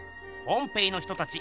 ポンペイの人たち